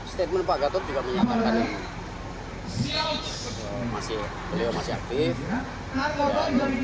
statement pak gatot juga menyatakan beliau masih aktif